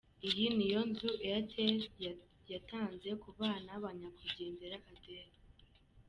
Iyi ni yo nzu Airtel yatanzeku bana ba nyakwigendera Adele.